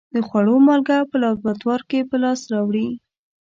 د خوړو مالګه په لابراتوار کې په لاس راوړي.